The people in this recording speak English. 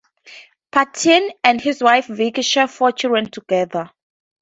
Partin and his wife Vicky share four children together.